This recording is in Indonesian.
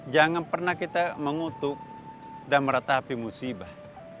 jangan pernah kita mengutuk dan meratapi musibah